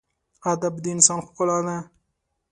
ادب د انسان ښکلا ده.